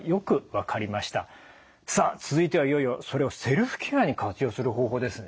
さあ続いてはいよいよそれをセルフケアに活用する方法ですね。